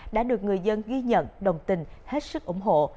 đã được người dân ghi nhận đồng tình hết sức ủng hộ